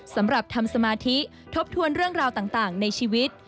สำหรับทำสมาธิทบทวนเรื่องราวต่างในชีวิต